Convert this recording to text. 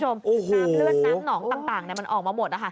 น้ำเลือดน้ำหนองต่างมันออกมาหมด